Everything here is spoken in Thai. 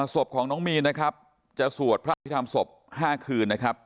ศพของน้องมีนนะครับจะสวดพระอภิษฐรรมศพ๕คืนนะครับ